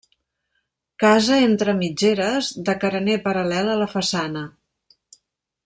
Casa entre mitgeres, de carener paral·lel a la façana.